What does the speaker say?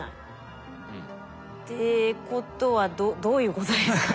ってことはどういうことですか？